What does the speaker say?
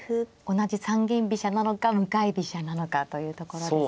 同じ三間飛車なのか向かい飛車なのかというところですか。